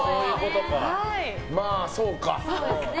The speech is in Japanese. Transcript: まあ、そうか。